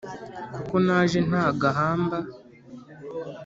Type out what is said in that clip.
Kuko naje nta gahamba!"